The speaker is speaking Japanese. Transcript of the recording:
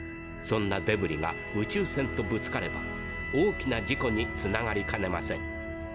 そんなデブリが宇宙船とぶつかれば大きな事故につながりかねません。